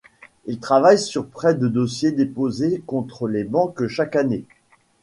Il travaille sur près de dossiers déposés contre les banques chaque année.